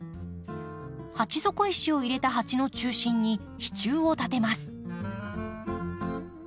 鉢底石を入れた鉢の中心に支柱を立てます。